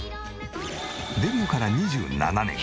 デビューから２７年。